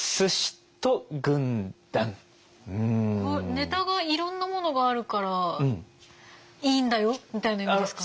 ネタがいろんなものがあるからいいんだよみたいな意味ですかね。